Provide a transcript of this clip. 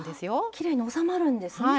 きれいに収まるんですね。